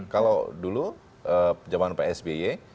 kalau dulu jaman psby